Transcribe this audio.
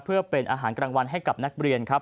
เพื่อเป็นอาหารกลางวันให้กับนักเรียนครับ